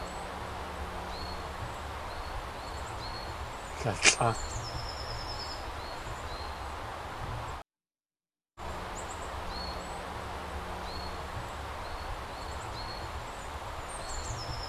Lalʼá!